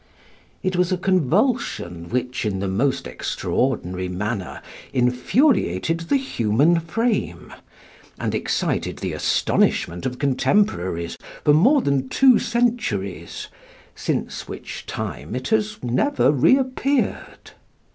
It was a convulsion which in the most extraordinary manner infuriated the human frame, and excited the astonishment of contemporaries for more than two centuries, since which time it has never reappeared.